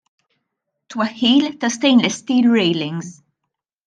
Twaħħil ta' stainless steel railings.